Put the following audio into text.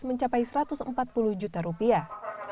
mencapai satu ratus empat puluh juta rupiah